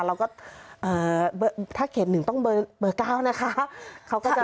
เราก็ถ้าเขตหนึ่งต้องเบอร์เก้านะคะ